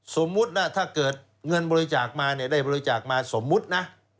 สมมุติว่าถ้าเกิดเงินบริจาคมาเนี่ยได้บริจาคมาสมมุตินะ